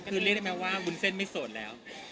คือเรียกได้ไหมว่าวุ้นเส้นไม่โสดแล้ว